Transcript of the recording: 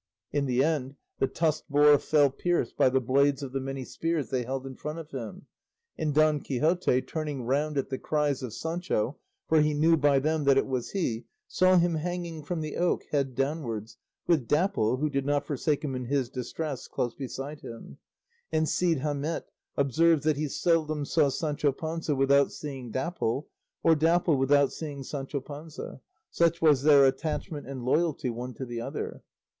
In the end the tusked boar fell pierced by the blades of the many spears they held in front of him; and Don Quixote, turning round at the cries of Sancho, for he knew by them that it was he, saw him hanging from the oak head downwards, with Dapple, who did not forsake him in his distress, close beside him; and Cide Hamete observes that he seldom saw Sancho Panza without seeing Dapple, or Dapple without seeing Sancho Panza; such was their attachment and loyalty one to the other.